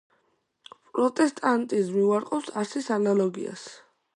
პროტესტანტიზმი უარყოფს არსის ანალოგიას.